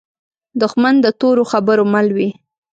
دښمن د تورو خبرو مل وي